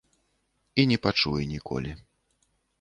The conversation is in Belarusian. І не пачуе ніколі.